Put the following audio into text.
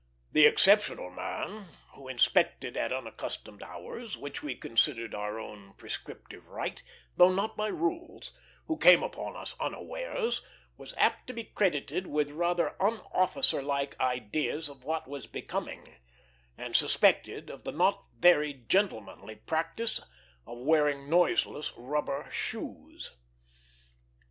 The exceptional man, who inspected at unaccustomed hours, which we considered our own prescriptive right though not by rules who came upon us unawares, was apt to be credited with rather unofficer like ideas of what was becoming, and suspected of the not very gentlemanly practice of wearing noiseless rubber shoes.